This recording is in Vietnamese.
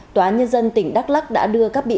tòa án nhân dân tỉnh đắk lắc đã đưa các bệnh viện